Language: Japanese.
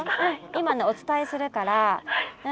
今ねお伝えするから。